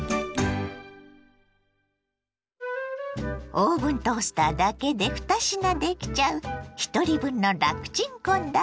オーブントースターだけで２品できちゃうひとり分の楽チン献立。